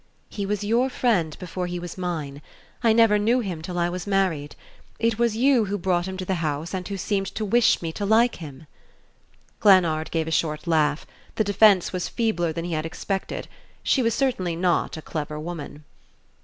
"He was your friend before he was mine. I never knew him till I was married. It was you who brought him to the house and who seemed to wish me to like him." Glennard gave a short laugh. The defence was feebler than he had expected: she was certainly not a clever woman.